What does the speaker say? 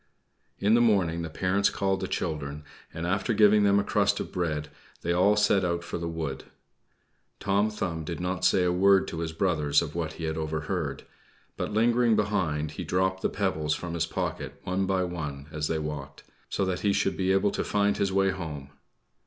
In the morning the parents called the children, and, after giving them a crust of bread, they all set out for the wood. Tom Thumb did not say a word to his brothers of what he had overheard; but, lingering behind, he dropped the pebbles from his pocket one by one, as they walked, so that he should be able to find his way home.